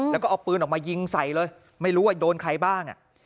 แล้วก็เอาปืนออกมายิงใส่เลยไม่รู้ว่าโดนใครบ้าง